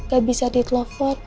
gak bisa ditelefon